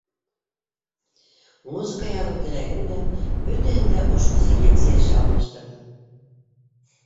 Музыка яҙыу теләген дә - бөтәһен дә ошо селекция эше алмаштырҙы.